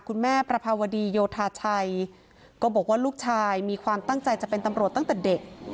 ประภาวดีโยธาชัยก็บอกว่าลูกชายมีความตั้งใจจะเป็นตำรวจตั้งแต่เด็ก